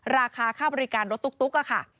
ราคาค่าบริการรถตุ๊กค่ะ